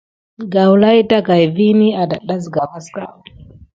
Gawla ɗagaï vini adata sika vaska.